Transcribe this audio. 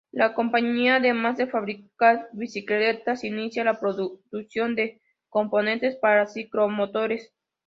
La compañía, además de fabricar bicicletas, inicia la producción de componentes para ciclomotores.